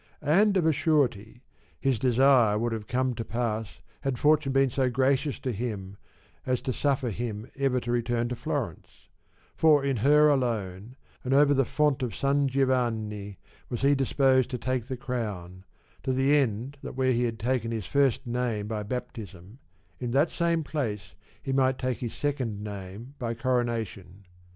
And of a surety his desire 58 would have come to pass had fortune been so gracious to him as to suffer him ever to return to Florence ; for in her alone, and over the font of San Giovanni was he disposed to take the crown, to the end that where he had taken his first name by baptism, in that same place he might take his second name by corona tion.